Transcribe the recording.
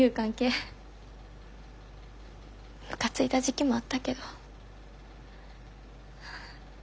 むかついた時期もあったけど。